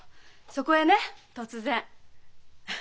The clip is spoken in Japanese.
そこへね突然。